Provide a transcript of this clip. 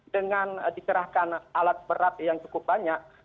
dengan dikerahkan alat berat yang cukup banyak